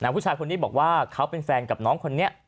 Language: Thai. ผู้ชายคนนี้บอกว่าเขาเป็นแฟนกับน้องคนนี้